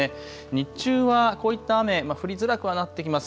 日中はこういった雨、降りづらくなってきます。